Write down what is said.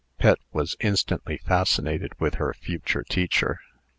Pet was instantly fascinated with her future teacher.